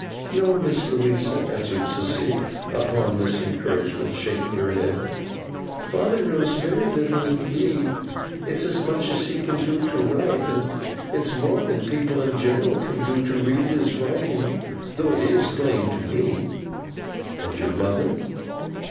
'No, Miss Louisa,' answered Sissy, upon this encouragement, shaking her head; 'father knows very little indeed. It's as much as he can do to write; and it's more than people in general can do to read his writing. Though it's plain to me.' 'Your mother?